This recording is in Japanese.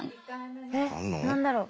えっ何だろう？